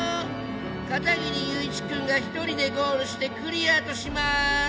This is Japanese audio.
片切友一くんが一人でゴールしてクリアとします！